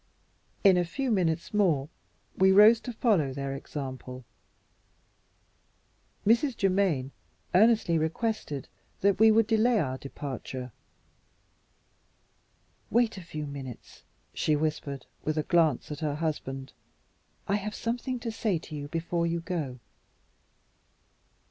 In a few minutes more we rose to follow their example. Mrs. Germaine earnestly requested that we would delay our departure. "Wait a few minutes," she whispered, with a glance at her husband. "I have something to say to you before you go."